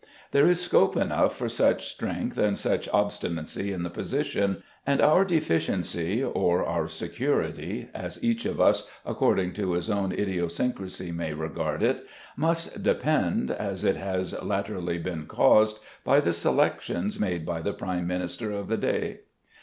There is scope enough for such strength and such obstinacy in the position, and our deficiency or our security, as each of us according to his own idiosyncrasy may regard it, must depend, as it has latterly been caused, by the selections made by the Prime Minister of the day.